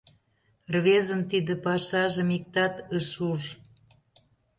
Рвезын тиде пашажым иктат ыш уж.